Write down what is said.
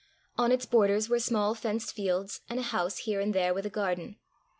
On its borders were small fenced fields, and a house here and there with a garden.